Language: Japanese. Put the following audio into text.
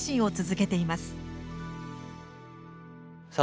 さあ